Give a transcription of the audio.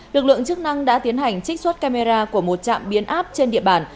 lực lượng chức năng đã tiến hành trích xuất camera của một trạm biến áp trên địa bàn